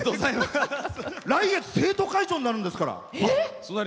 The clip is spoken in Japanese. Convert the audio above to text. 来月生徒会長になるんですから。